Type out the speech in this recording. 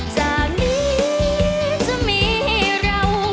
จากนี้จะมีเรา